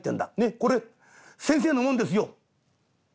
これ先生のもんですよ」。